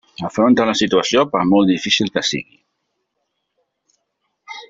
Afronta la situació per molt difícil que sigui.